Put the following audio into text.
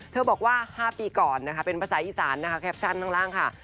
บอกว่า๕ปีก่อนนะคะเป็นภาษาอีสานนะคะแคปชั่นข้างล่างค่ะ